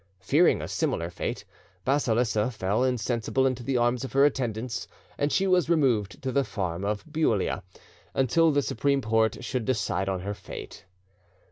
Fearing a similar fate, Basilissa fell insensible into the arms of her attendants, and she was removed to the farm of Bouila, until the Supreme Porte should decide on her fate.